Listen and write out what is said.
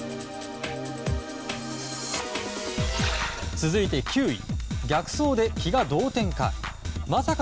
続いて９位逆走で気が動転か。